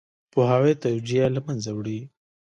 پوهاوی توجیه له منځه وړي.